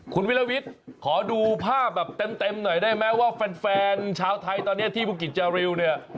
คุณวิลวิทย์ขอดูภาพแบบเต็มหน่อยได้ไหมว่าแฟนชาวไทยตอนนี้ที่บุกิจจาริวเนี่ย